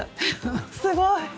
すごい！